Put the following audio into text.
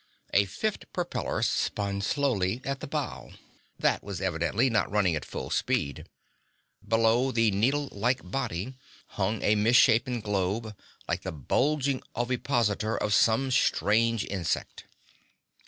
A fifth propeller spun slowly at the bow. That was evidently not running at full speed. Below the needlelike body hung a misshapen globe, like the bulging ovipositor of some strange insect.